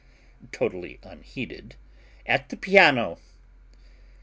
totally unheeded, at the piano.